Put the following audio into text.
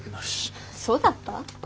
そうだった？